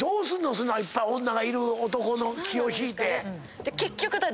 そんないっぱい女がいる男の気を引いて。